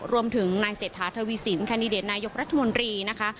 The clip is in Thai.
รวมถึงนายเศรษฐาทวีสินแคนดิเดตนายกรัฐมนตรีนะคะ